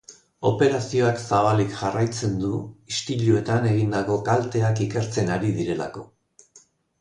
Operazioak zabalik jarraitzen du, istiluetan egindako kalteak ikertzen ari direlako.